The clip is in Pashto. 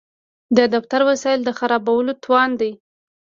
د دفتر وسایل خرابول تاوان دی.